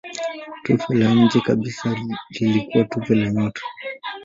Tufe la nje kabisa lilikuwa tufe la nyota.